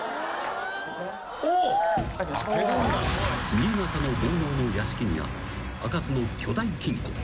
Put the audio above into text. ［新潟の豪農の屋敷にあった開かずの巨大金庫］